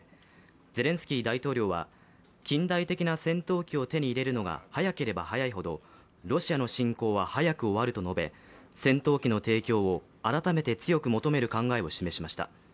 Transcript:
ゼレンスキー大統領は近代的な戦闘機を手に入れるのが早ければ早いほどロシアの侵攻は早く終わると述べ、戦闘機の提供を改めて強く求める考えを示しました。